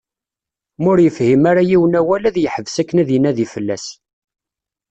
Ma ur yefhim ara yiwen awal ad yeḥbes akken ad inadi fell-as.